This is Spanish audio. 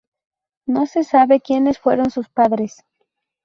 No se sabe quienes fueron sus padres.